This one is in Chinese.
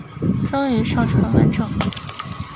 终于上传完成了